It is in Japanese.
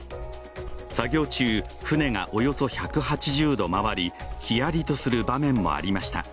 作業中、船がおよそ１８０度周りひやりとする場面がありました。